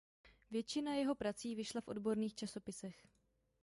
Většina jeho prací vyšla v odborných časopisech.